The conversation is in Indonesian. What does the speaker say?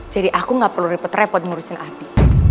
jadi aku gak perlu repot repot ngurusin abi